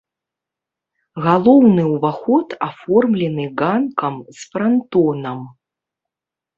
Галоўны ўваход аформлены ганкам з франтонам.